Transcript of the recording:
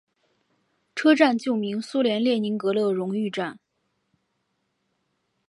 车站旧名苏联列宁格勒荣誉站。